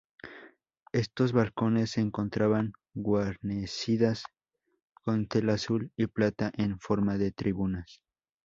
Estos balcones se encontraban guarnecidas con tela azul y plata en forma de tribunas.